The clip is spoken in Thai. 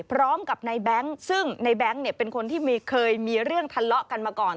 พร้อมกับในแบงค์ซึ่งในแบงค์เนี่ยเป็นคนที่เคยมีเรื่องทะเลาะกันมาก่อน